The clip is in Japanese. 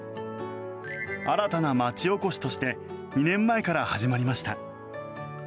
新たな町おこしとして２年前から始まりました。